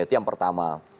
itu yang pertama